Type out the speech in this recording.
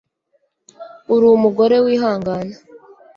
Urumugore wihangana